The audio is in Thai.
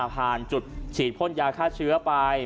ผ่านจุดฉีดพ่นยาฆ่าเชื้อไป